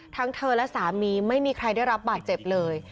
ทั้งเธอและสามีไม่มีใครได้รับบาดเจ็บเลย